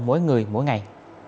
mỗi người mỗi ngày